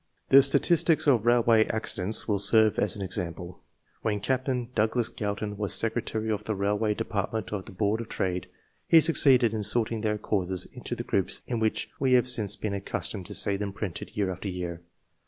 The statistics of railway accidents will serve as an example. When Cap tain Douglas Galton was secretary of the railway department of the Board of Trade, he succeeded in sorting their causes into the groups in which we have since been accustomed to see them printed year after year.